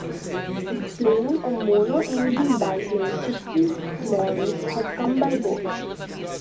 The plane, a mono-engine biplane, christened "Maurice", had come by boat.